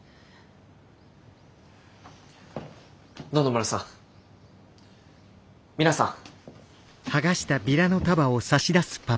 野々村さん皆さん。